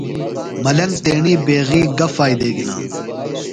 ملنگ تیݨی بیغیۡ گہ فائدے گِھنانوۡ؟